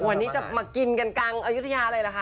วันนี้จะมากินกันกังอยุธยาเลยละคะ